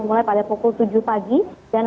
mulai pada pukul tujuh pagi dan